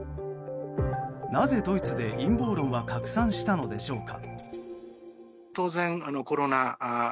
なぜドイツで陰謀論は拡散したのでしょうか。